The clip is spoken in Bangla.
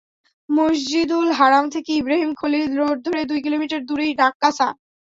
মসজিদুল হারাম থেকে ইব্রাহিম খলিল রোড ধরে দুই কিলোমিটার দূরেই নাক্কাসা।